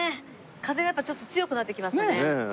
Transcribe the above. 風がやっぱちょっと強くなってきましたね。